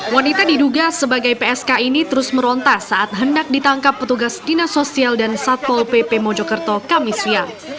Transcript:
wanita diduga sebagai psk ini terus merontas saat hendak ditangkap petugas dinas sosial dan satpol pp mojokerto kamisia